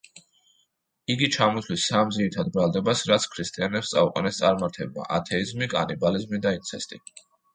იგი ჩამოთვლის სამ ძირითად ბრალდებას, რაც ქრისტიანებს წაუყენეს წარმართებმა: ათეიზმი, კანიბალიზმი და ინცესტი.